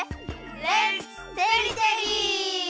レッツテリテリ！